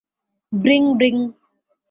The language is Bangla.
Bring, bring.